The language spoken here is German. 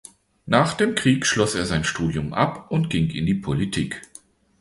Nach dem Krieg schloss er sein Studium ab und ging in die Politik.